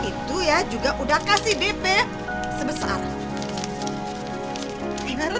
itu ya juga udah kasih dp sebesar lima ratus ribu